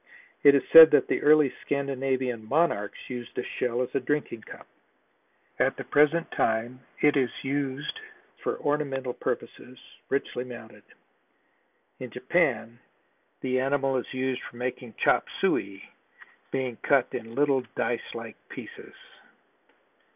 It is said that the early Scandinavian monarchs used this shell as a drinking cup. At the present time it is used for ornamental purposes, richly mounted. In Japan the animal is used for making chop suey, being cut in little dice like pieces.